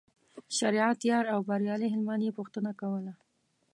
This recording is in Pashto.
شریعت یار او بریالي هلمند یې پوښتنه کوله.